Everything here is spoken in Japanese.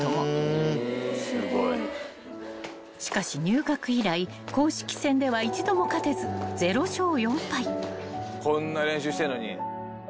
［しかし入学以来公式戦では一度も勝てず０勝４敗］